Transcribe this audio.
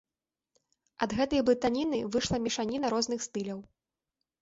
Ад гэтай блытаніны выйшла мешаніна розных стыляў.